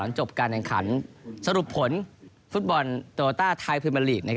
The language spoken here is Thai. จบการแข่งขันสรุปผลฟุตบอลโตต้าไทยพรีเมอร์ลีก